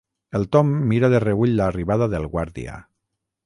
El Tom mira de reüll l'arribada del guàrdia.